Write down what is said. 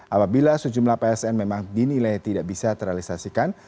apabila sejumlah psn memang dinilai tidak bisa terrealisasikan